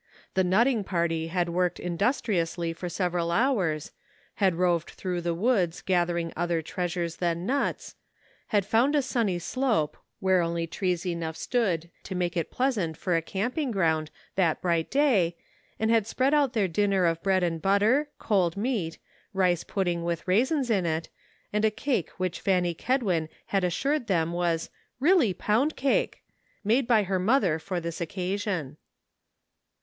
The nutting party had worked industriously for several hours, had roved through the woods gathering other treas ures than nuts, had found a sunny slope where only trees enough stood to make it pleasant for a camping ground that bright day, and had spread out their dinner of bread and butter, cold meat, rice pudding with raisins in it, and a cake which Fanny Kedwin had assured them was " really pound cake," made by her mother for this occasion.